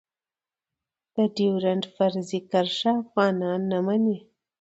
ډيورنډ فرضي کرښه افغانان نه منی.